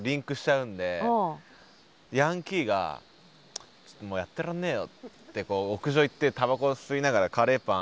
ヤンキーが「もうやってらんねえよ」ってこう屋上行ってたばこ吸いながらカレーパン。